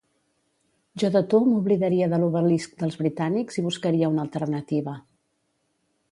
Jo de tu m'oblidaria de l'obelisc dels britànics i buscaria una alternativa.